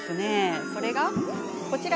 それがこちら。